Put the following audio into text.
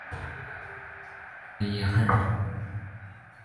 段业汉人。